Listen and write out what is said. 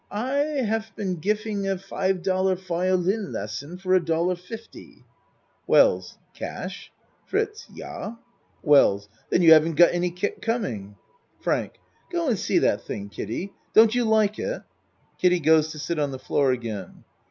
I have been gifing a five dollar violin lesson for a dollar fifty. WELLS Cash? FRITZ Yah. WELLS Then you haven't got any kick coming, FRANK Go and see that thing, Kiddie. Don't you like it? (Kiddie goes to sit on the floor again.)